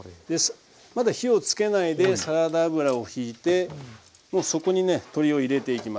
まだ火をつけないでサラダ油をひいてもうそこにね鶏を入れていきます。